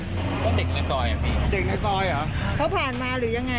เพราะเด็กในซอยอ่ะพี่เด็กในซอยเหรอเขาผ่านมาหรือยังไง